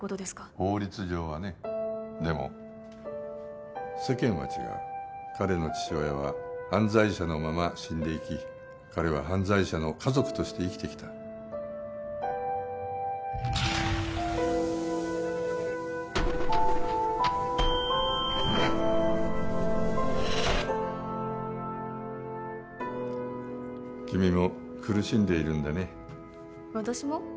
法律上はねでも世間は違う彼の父親は犯罪者のまま死んでいき彼は犯罪者の家族として生きてきた君も苦しんでいるんだね私も？